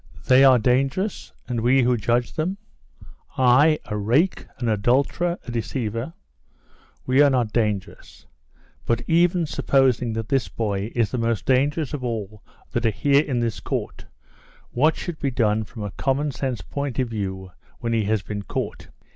"They are dangerous, and we who judge them? I, a rake, an adulterer, a deceiver. We are not dangerous. But, even supposing that this boy is the most dangerous of all that are here in the court, what should be done from a common sense point of view when he has been caught?